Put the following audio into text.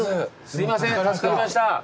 すいません助かりました。